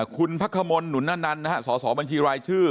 คุณพักธรมนต์หนุนนันต์สสบัญชีรายชื่อ